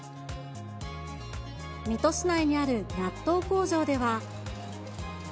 水戸市内にある納豆工場では。